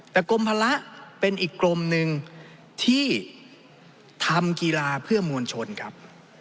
แต่กรมภาระเป็นอีกกรมหนึ่งที่ทำกีฬาเพื่อมวลชนครับ